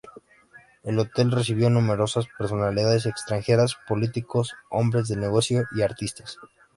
El hotel recibió numerosas personalidades extranjeras: políticos, hombres de negocio y artistas.